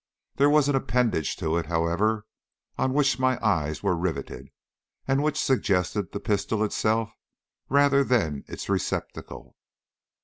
There was an appendage to it, however, on which my eyes were riveted, and which suggested the pistol itself rather than its receptacle.